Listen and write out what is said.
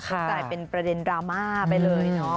กลายเป็นประเด็นดราม่าไปเลยเนาะ